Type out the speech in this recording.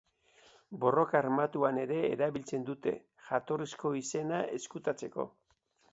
Borroka armatuan ere erabiltzen dute, jatorrizko izena ezkutatzeko.